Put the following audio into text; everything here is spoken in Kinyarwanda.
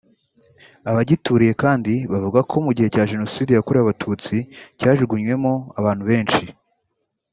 Abagituriye kandi bavuga ko mu gihe cya Jenoside yakorewe abatutsi cyajugunywemo abantu benshi